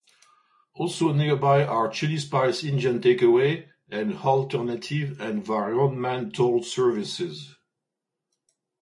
Also nearby are: Chili Spice Indian takeaway and Hullternative environmental services.